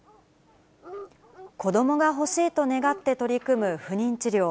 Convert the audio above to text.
子どもが欲しいと願って取り組む不妊治療。